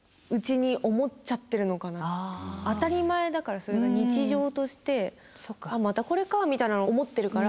当たり前だからそれが日常として「またこれか」みたいに思ってるから。